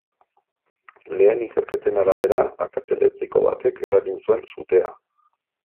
Lehen ikerketen arabera, akats elektriko batek eragin zuen sutea.